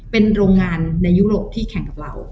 เป็นโรงงานในยุโรปที่แข่งกับเรา